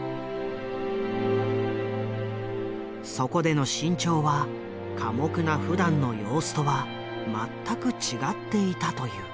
そこでの志ん朝は寡黙なふだんの様子とは全く違っていたという。